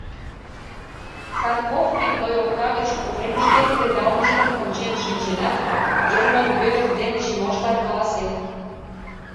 Санков пивной окна гыч Уремыште кредалмыштым ончен шинчен-шинченат, Герман Вӧдыр ден Чимошлан каласен: